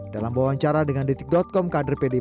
dalam wawancara dengan detik com kader pd perjuangan